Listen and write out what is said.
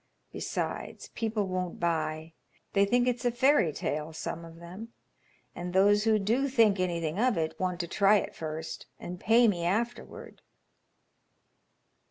Besides, people won't buy. They think it's a fairy tale; some of them, and those who do think anything of it want to try it first and pay me afterward."